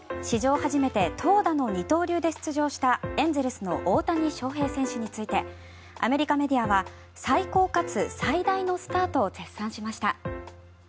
初めて投打の二刀流で出場したエンゼルスの大谷翔平選手についてアメリカメディアは最高かつ最大のスターと絶賛しました。